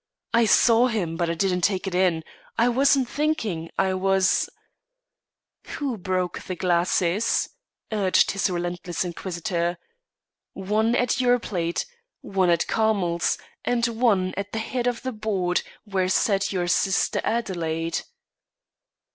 "I saw him, but I didn't take it in; I wasn't thinking. I was " "Who broke the glasses?" urged his relentless inquisitor. "One at your plate, one at Carmel's, and one at the head of the board where sat your sister Adelaide?"